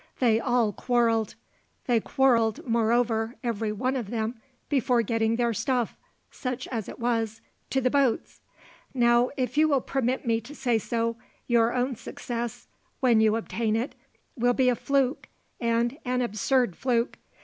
They all quarrelled. They quarrelled, moreover, every one of them, before getting their stuff such as it was to the boats. Now, if you will permit me to say so, your own success when you obtain it will be a fluke and an absurd fluke.